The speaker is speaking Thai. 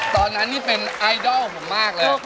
ตอนนั้นนี่เป็นไอดอลของผมมากเลย